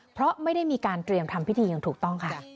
เพราะไม่ได้มีการเตรียมทำพิธีอย่างถูกต้องค่ะ